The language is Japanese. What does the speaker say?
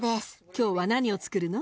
今日は何をつくるの？